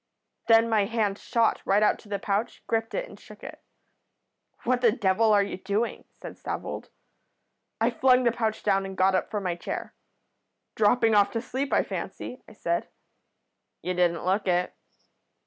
Then my hand shot right out to the pouch, gripped it, and shook it. "'What the devil are you doing?' said Stavold. "I flung the pouch down and got up from my chair. 'Dropping off to sleep, I fancy,' I said. "'You didn't look it.'